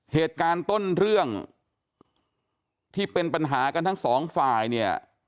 เหตุการณ์ต้นเรื่องที่เป็นปัญหากันทั้งสองฝ่ายเนี่ย